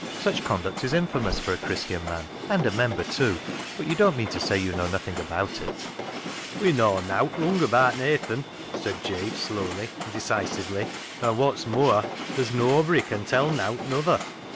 Such conduct is infamous for a Christian man, and a member, too. But you don't mean to say you know nothing about it ?"" We knaw nowt wrung abaat Nathan," said Jabe slowly and decisively, " and wot's mooar, there's noabry can tell nowt nother."